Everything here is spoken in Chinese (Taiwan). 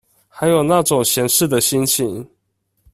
還有那種閒適的心情